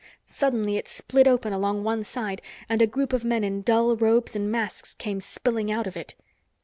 Suddenly it split open along one side and a group of men in dull robes and masks came spilling out of it.